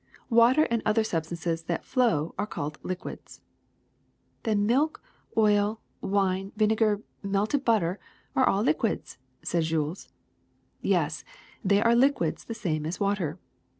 Water and other substances that flow are called liquids. '' ^^Then milk, oil, wine, vinegar, melted butter, are all liquids, '^ said Jules. Yes, they are liquids the same as water.